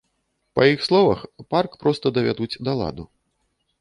Па іх словах, парк проста давядуць да ладу.